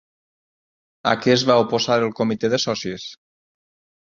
A què es va oposar el comitè de socis?